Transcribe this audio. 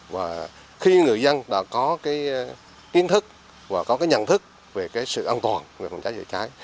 và khi người dân đã có kiến thức và có nhận thức về sự an toàn về phòng cháy chữa cháy